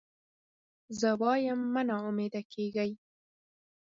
زه وایم مه نا امیده کېږی.